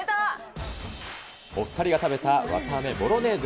お２人が食べた、わたあめボロネーズ。